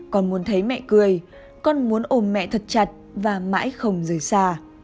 con muốn thấy mẹ cười con muốn ồm mẹ thật chặt và mãi không rời xa